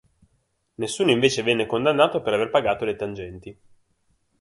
Nessuno venne invece condannato per aver pagato le tangenti.